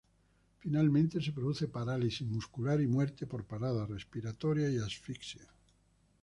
Finalmente se produce parálisis muscular y muerte por parada respiratoria y asfixia.